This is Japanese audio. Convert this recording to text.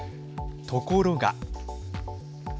ところが。